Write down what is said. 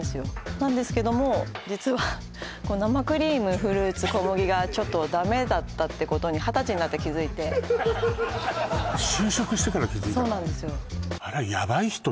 何ですけども実は生クリームフルーツ小麦がちょっとダメだったってことに二十歳になって気づいてそうなんですよ